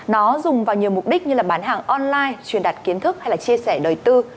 nó dùng vào nhiều mục đích như bán hàng online truyền đặt kiến thức hay chia sẻ đời tư